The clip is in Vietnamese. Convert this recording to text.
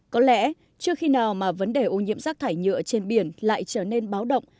có lẽ trước khi nào mà vấn đề ô nhiễm rác thải nhựa trên biển lại trở nên báo động